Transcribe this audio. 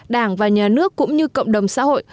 đảng và nhà nước cũng như cộng đồng xã hội